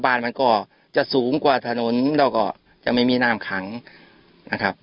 บ้านมันก็จะสูงกว่าถนนแล้วก็จะไม่มีน้ำขังนะครับ